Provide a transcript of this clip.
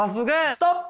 ストップ！